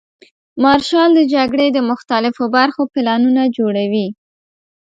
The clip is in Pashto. مارشال د جګړې د مختلفو برخو پلانونه جوړوي.